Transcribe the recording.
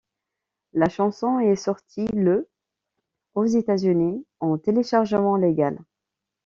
La chanson est sortie le aux États-Unis en téléchargement légal.